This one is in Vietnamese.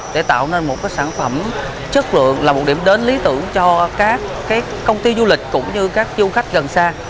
để tạo nên một sản phẩm chất lượng là một điểm đến lý tưởng cho các công ty du lịch cũng như các du khách gần xa